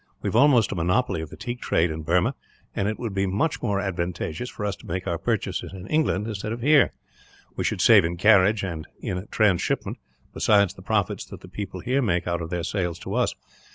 We have almost a monopoly of the teak trade, in Burma; and it would be much more advantageous for us to make our purchases in England, instead of here. We should save in carriage and in trans shipment, besides the profits that the people here make out of their sales to us.